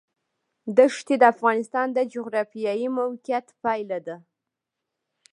دښتې د افغانستان د جغرافیایي موقیعت پایله ده.